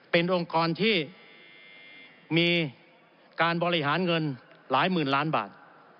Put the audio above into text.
เป็นองค์กรที่มีการบริหารเงินหลายหมื่นล้านบาท